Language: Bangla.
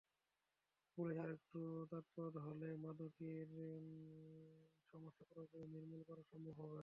পুলিশ আরেকটু তৎপর হলে মাদকের সমস্যা পুরোপুরি নির্মূল করা সম্ভব হবে।